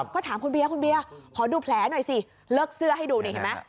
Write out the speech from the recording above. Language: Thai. ก็ถามคุณเบียร์คุณเบียร์ขอดูแผลหน่อยสิเลิกเสื้อให้ดูนี่เห็นไหม